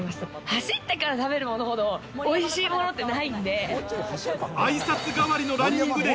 走ってから食べるものほど、おいしいものってないんで。